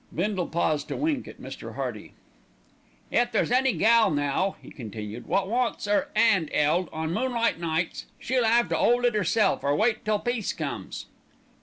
Bindle paused to wink at Mr. Hearty. "If there's any gal now," he continued, "wot wants 'er 'and 'eld on moonlight nights, she'll 'ave to 'old it 'erself, or wait till peace comes."